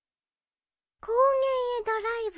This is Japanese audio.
高原へドライブ。